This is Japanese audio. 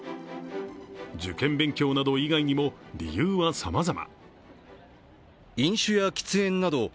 受験勉強など以外にも理由はさまざま。